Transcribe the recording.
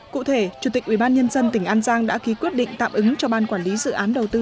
cụ thể chủ tịch ubnd tỉnh an giang đã ký quyết định tạm ứng cho ban quản lý dự án đầu tư